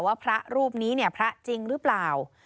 ว่าพระรูปนี้เนี่ยพระจริงหรือเปล่า